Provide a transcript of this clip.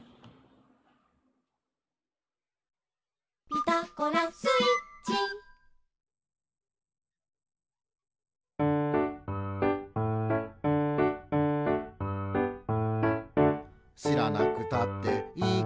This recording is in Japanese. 「ピタゴラスイッチ」「しらなくたっていいことだけど」